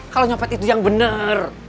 kalau nyopet itu yang benar